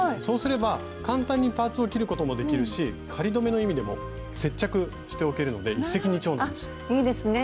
そうすれば簡単にパーツを切ることもできるし仮留めの意味でも接着しておけるので一石二鳥なんです。